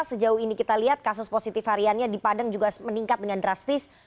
sejauh ini kita lihat kasus positif hariannya di padang juga meningkat dengan drastis